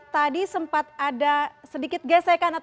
tadi sempat ada sedikit gesekan